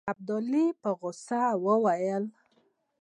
ابدالي په غوسه وو.